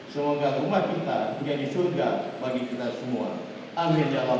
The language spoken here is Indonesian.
semoga rumah kita menjadi surga bagi kita semua